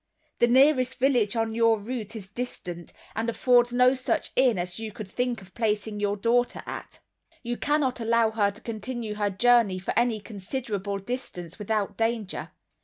The nearest village on your route is distant, and affords no such inn as you could think of placing your daughter at; you cannot allow her to continue her journey for any considerable distance without danger.